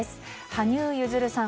羽生結弦さん